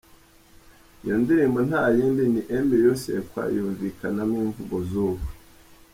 Iyo ndirimbo nta yindi ni “Un Million C’est Quoi” yumvikanamo imvugo z’ubu.